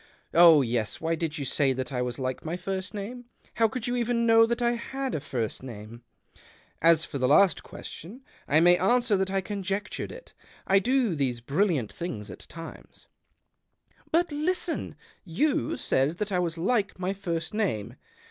Oh yes, why did you say that I was like my first name ? How could you even know that I had a first name ?"" As for the last question I may answer that I conjectured it. I do these brilliant things at times." " But, listen : you said that I was like my first name.